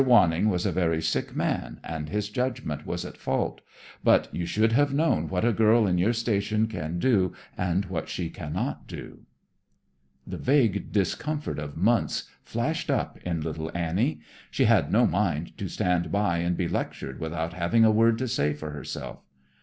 Wanning was a very sick man and his judgment was at fault, but you should have known what a girl in your station can do and what she cannot do." The vague discomfort of months flashed up in little Annie. She had no mind to stand by and be lectured without having a word to say for herself.